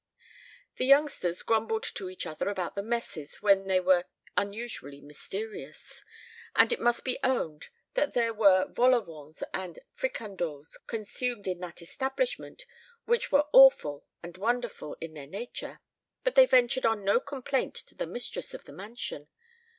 The youngsters grumbled to each other about the messes when they were unusually mysterious; and it must be owned that there were vol au vents and fricandeaux consumed in that establishment which were awful and wonderful in their nature; but they ventured on no complaint to the mistress of the mansion.